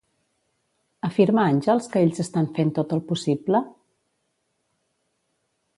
Afirma Àngels que ells estan fent tot el possible?